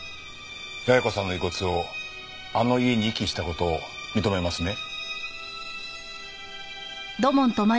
八重子さんの遺骨をあの家に遺棄した事を認めますね？